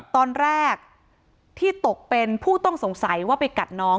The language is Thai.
ตอนแรกที่ตกเป็นผู้ต้องสงสัยว่าไปกัดน้อง